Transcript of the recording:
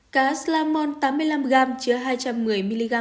các loại đậu như đậu dòng một cốc chứa hai trăm bốn mươi mg